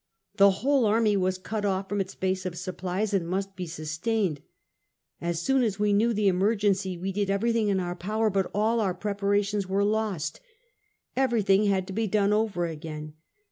The whole army was cut off from its base of supplies and must be sustained. As soon as we knew the emer gency, we did everything in our power; but all our preparations were lost. Everything had to be done over again.